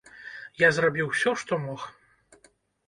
Я зрабіў усё, што мог.